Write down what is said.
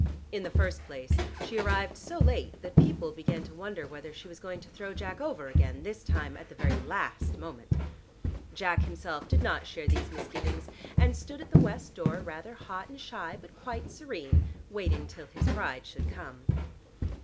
In the first place she arrived so late that people began to wonder whether she was going to throw Jack over again, this time at the very last moment. Jack himself did not share these misgivings and stood at the west door rather hot and shy but quite serene, waiting till his bride should come.